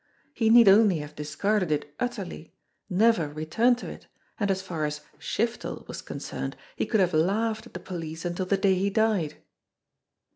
He need only have discarded it utterly, never returned to it, and as far as "Shiftel" was concerned he could have laughed at the police until the day he died.